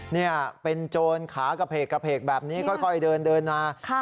เนี่ยเป็นโจรขากระเพกกระเพกแบบนี้ก็ค่อยเดินเดินมาค่ะ